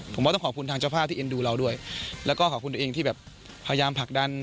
ผมว่าต้องขอบคุณทางเจ้าภาพที่เอ็นดูเราด้วยแล้วก็ขอบคุณตัวเองที่แบบพยายามผลักดัน